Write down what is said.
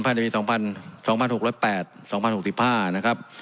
ภายในวีสองพันสองพันหกหกร้อยแปดสองพันหกสิบห้านะครับ